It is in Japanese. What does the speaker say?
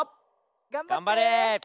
がんばれ！